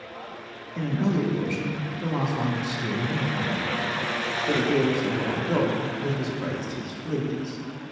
In an earlier version, the last line was still more arrogant: But where's the wild dog that has praised his fleas?